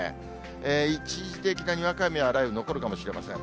一時的なにわか雨や雷雨、残るかもしれません。